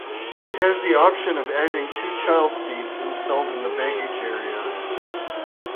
It has the option of adding two child seats, installed in the baggage area.